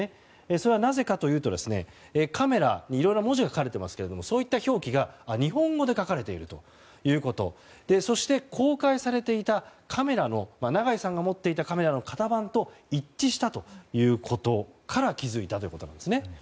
それはなぜかというとカメラにいろいろな文字が書かれていますけどもそういった表記が日本語で書かれているということそして公開されていた長井さんが持っていたカメラの型番と一致したということから気づいたということなんです。